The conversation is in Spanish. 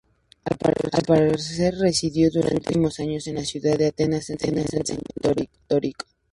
Al parecer, residió durante sus últimos años en la ciudad de Atenas enseñando retórica.